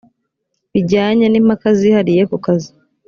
bijyanye n impaka zihariye ku kazi